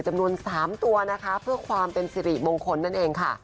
จำนวน๓ตัวนะคะเพื่อความเป็นสิริมงคลนั่นเองค่ะ